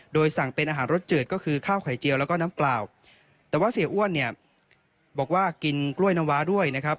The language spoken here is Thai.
โดยสั่งเป็นอาหารรสจืดก็คือข้าวไข่เจียวแล้วก็น้ำเปล่าแต่ว่าเสียอ้วนเนี่ยบอกว่ากินกล้วยน้ำว้าด้วยนะครับ